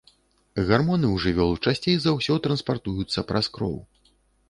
Гармоны ў жывёл часцей за ўсё транспартуюцца праз кроў.